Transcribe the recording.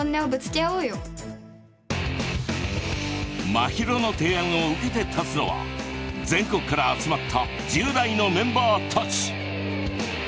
まひろの提案を受けて立つのは全国から集まった１０代のメンバーたち。